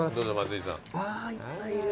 あいっぱいいる。